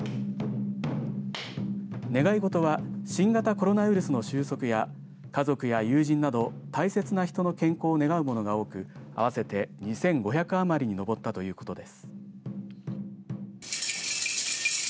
願いごとは新型コロナウイルスの収束や家族や友人など大切な人の健康を願うものが多く合わせて２５００余りに上ったということです。